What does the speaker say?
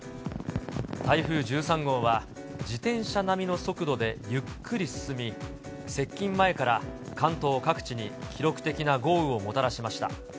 台風１３号は、自転車並みの速度でゆっくり進み、接近前から関東各地に記録的な豪雨をもたらしました。